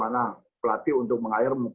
mana pelatih untuk meng hire